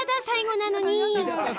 最後なのに。